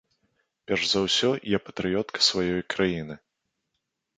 Перш за ўсё я патрыётка сваёй краіны.